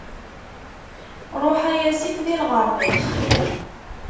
Ṛuḥ a yasif di lɣerḍ-ik.